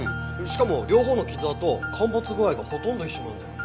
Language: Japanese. しかも両方の傷痕陥没具合がほとんど一緒なんだよ。